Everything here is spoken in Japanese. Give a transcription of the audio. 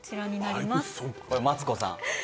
マツコさん